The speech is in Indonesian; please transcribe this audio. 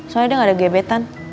soalnya dia gak ada gebetan